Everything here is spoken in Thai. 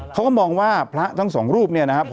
เขาก็มองว่าพระทั้งสองรูปเนี่ยนะครับ